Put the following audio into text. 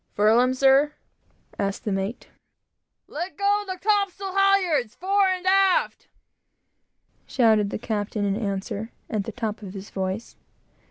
"Furl 'em, sir?" asked the mate. "Let go the topsail halyards, fore and aft!" shouted the captain, in answer, at the top of his voice.